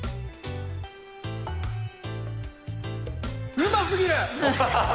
うますぎる！